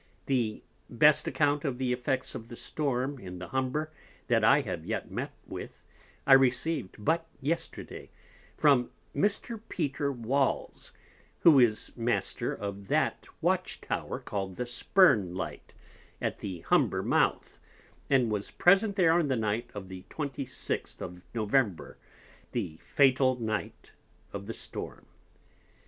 The best Account of the Effects of the Storm in the Humber, that I have yet met with, I received but Yesterday, from Mr. Peter Walls, who is Master of that Watch Tower, call'd the Spurn Light, at the Humber Mouth, and was present there on the Night of the 26th of November, the fatal Night of the Storm.